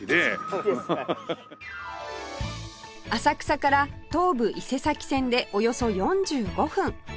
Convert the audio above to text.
浅草から東武伊勢崎線でおよそ４５分